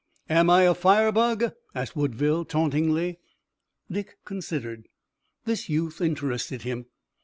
"Am I a firebug?" asked Woodville tauntingly. Dick considered. This youth interested him.